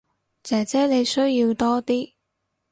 姐姐你需要多啲